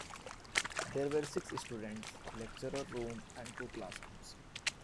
There were six students, a lecture room and two classrooms.